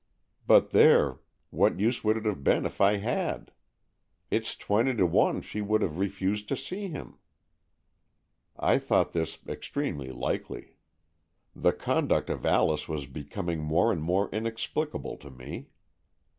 But there, what use would it have been if I had? It's twenty to one she would have refused to see him." I thought this extremely likely. The con duct of Alice was becoming more and more inexplicable to me.